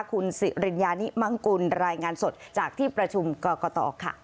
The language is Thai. คุณสิริญญานิมังกุลรายงานสดจากที่ประชุมกรกตค่ะ